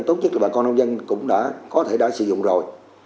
tốt nhất là bà con nông dân cũng đã có thể đã sử dụng rồi